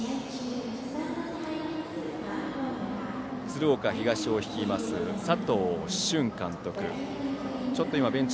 鶴岡東を率います佐藤俊監督。